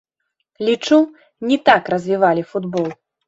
Лічу, не так развівалі футбол.